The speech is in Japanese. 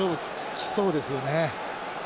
きそうですよね。